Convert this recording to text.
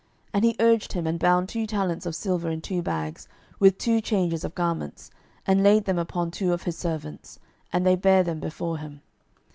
And he urged him, and bound two talents of silver in two bags, with two changes of garments, and laid them upon two of his servants; and they bare them before him.